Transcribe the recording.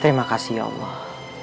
terima kasih ya allah